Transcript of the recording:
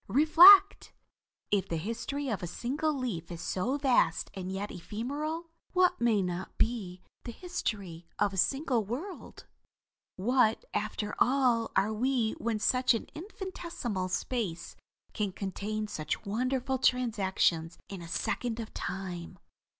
Reflect! If the history of a single leaf is so vast and yet ephemeral, what may not be the history of a single world? What, after all, are we when such an infinitesimal space can contain such wonderful transactions in a second of time."